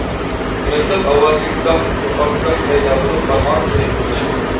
مىلتىق ئاۋازى گاھ يوقاپ، گاھ پەيدا بولۇپ بارغانسېرى يېقىنلاشتى.